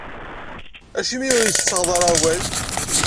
Acimi ur iyi-tettaɣeḍ ara awal?